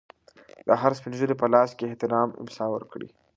د هر سپین ږیري په لاس کې د احترام امسا ورکړئ.